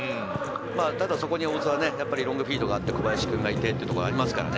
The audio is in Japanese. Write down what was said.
ただそこに大津はロングフィードがあって、小林君がいてというのがありますからね。